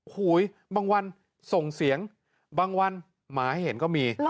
บางวันส่งเสียงบางวันหมาเห็นก็มี